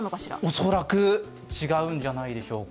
恐らく違うんじゃないでしょうか。